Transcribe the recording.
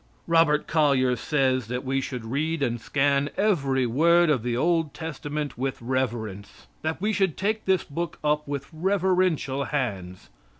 Robert Collyer says that we should read and scan every word of the Old Testament with reverence; that we should take this book up with reverential hands.